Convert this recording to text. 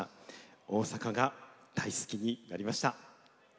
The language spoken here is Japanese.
大阪が大好きになりました。